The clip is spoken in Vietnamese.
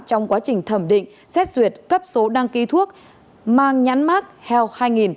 trong quá trình thẩm định xét duyệt cấp số đăng ký thuốc mang nhắn mắc health hai nghìn